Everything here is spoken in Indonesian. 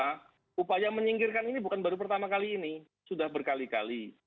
karena upaya menyingkirkan ini bukan baru pertama kali ini sudah berkali kali